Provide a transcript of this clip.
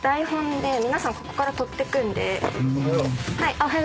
おはよう。